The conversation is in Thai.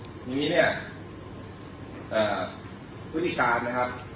ทีนี้เนี่ยอ่าวิธีการนะครับ